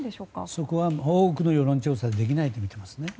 そこは多くの世論調査でできないとみてますね。